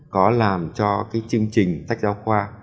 có làm cho cái chương trình sách giáo khoa